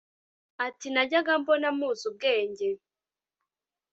ati: najyaga mbona muzi ubwenge